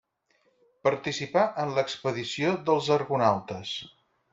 Participà en l'expedició dels argonautes.